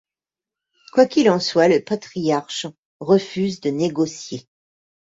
Quoi qu'il en soit, le patriarche refuse de négocier.